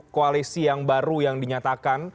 koalisi yang baru yang dinyatakan